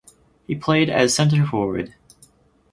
He played as center forward.